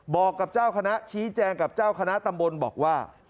บอกกับเจ้าคณะชี้แจงกับเจ้าคณะตำบลบอกว่า